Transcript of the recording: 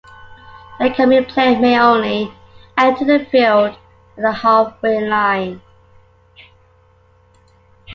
The incoming player may only enter the field at the half-way line.